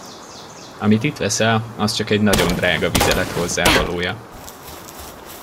Amit itt veszel, az csak egy nagyon drága vizelet hozzávalója.